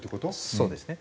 そうですね。